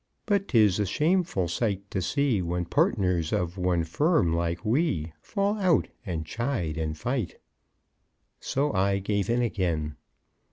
But 'tis a shameful sight to see, when partners of one firm like we, Fall out, and chide, and fight!" So I gave in again.